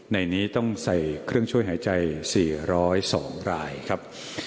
ในนี้ต้องใส่เครื่องช่วยหายใจ๔๐๒รายครับ